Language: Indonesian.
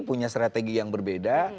punya strategi yang berbeda